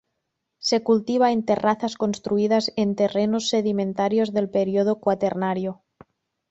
Se cultiva en terrazas construidas en terrenos sedimentarios del Período Cuaternario.